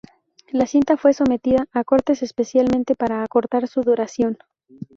La cinta fue sometida a cortes especialmente para acortar su duración.